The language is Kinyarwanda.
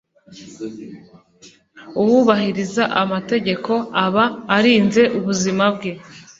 Uwubahiriza amategeko aba arinze ubuzima bwe